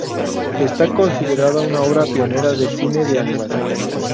Está considerada una obra pionera del cine de animación.